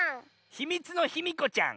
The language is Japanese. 「ひみつのヒミコちゃん」。